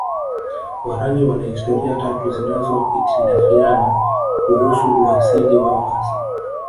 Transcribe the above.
Warangi wana historia tatu zinazohitilafiana kuhusu uasili wao hasa